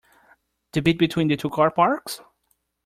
The bit between the two car parks?